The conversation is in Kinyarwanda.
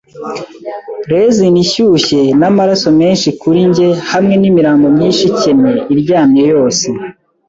resin ishyushye, namaraso menshi kuri njye hamwe nimirambo myinshi ikennye iryamye yose